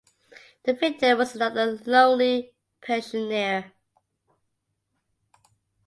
The victim was another lonely pensioner.